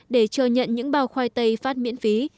để chờ nhận những bao khoai tây phát miễn phí